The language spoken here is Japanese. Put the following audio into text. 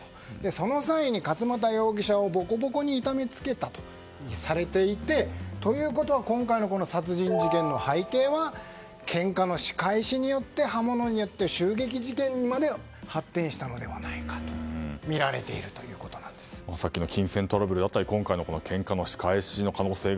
その際に勝又容疑者をぼこぼこに痛めつけたとされていて今回の殺人事件の背景はけんかの仕返しによって刃物によって襲撃事件にまで発展したのではさっきの金銭トラブルだったり今回のけんかの仕返しの可能性。